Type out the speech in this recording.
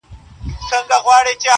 چي د ياره وائې، د ځانه وائې.